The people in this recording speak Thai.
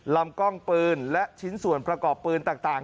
ลำกล้องปืนและชิ้นส่วนประกอบปืนต่าง